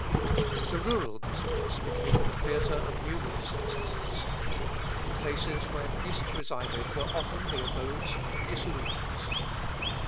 The rural districts became the theatre of numerous excesses. The places where priests resided were often the abodes of dissoluteness.